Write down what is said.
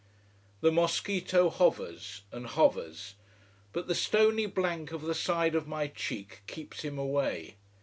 The mosquito hovers and hovers. But the stony blank of the side of my cheek keeps him away.